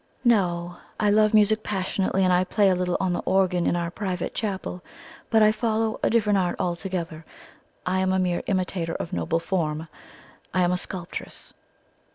"No. I love music passionately, and I play a little on the organ in our private chapel; but I follow a different art altogether. I am a mere imitator of noble form I am a sculptress."